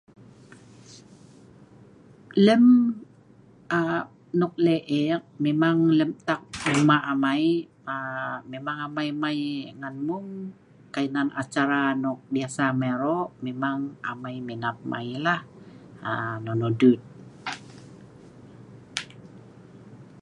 Lem aa nok lek ek, memang lem ta'ak lem hmak amai, aa memang amai mei nan hmung, kai nan acara memang biasa amei arok memang amai minat mei lah aa nonoh dut